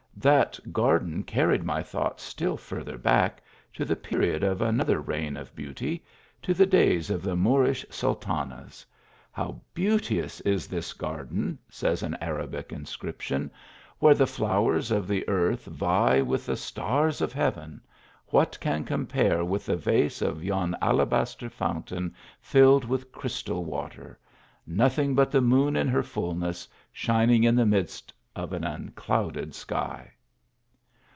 That garden carried my thoughts still farther back, to the period of another reign of beauty ; to the days of the Moorish sultanas. " How beauteous is this garden !" says an Arabic* inscription, " where the flowers of the earth vie with the stars of heaven ! what can compare with the vase of yon alabaster fountain filled with crystal water? Nothing but the moon in her fulness, shining in the midst of an unclouded sky